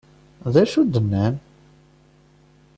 D acu d-nnan?